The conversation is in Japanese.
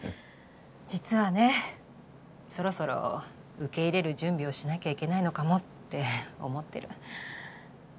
実はねそろそろ受け入れる準備をしなきゃいけないのかもって思ってる。